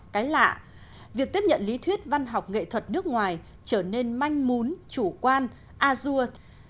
cái lạ việc tiếp nhận lý thuyết văn học nghệ thuật nước ngoài trở nên manh mún chủ quan a dua